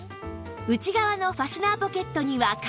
内側のファスナーポケットには鍵